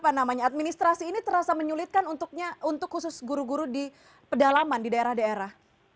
apa namanya administrasi ini terasa menyulitkan untuk khusus guru guru di pedalaman di daerah daerah